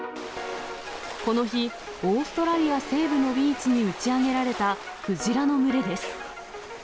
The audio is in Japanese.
この日、オーストラリア西部のビーチに打ち上げられたクジラの群れです。